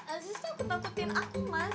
aziz kan ketakutin aku mas